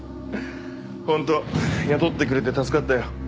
本当雇ってくれて助かったよ。